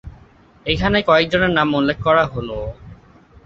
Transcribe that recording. এখানে কয়েকজনের নাম উল্লেখ করা হল।